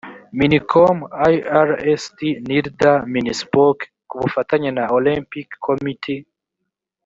minicom irst nirda minispoc ku bufatanye na olympic committee